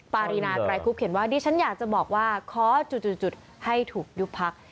ปารีนาไกรคุบเขียนว่าดิฉันอยากจะบอกว่าขอจุดให้ถูกยุบพัก